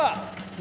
何？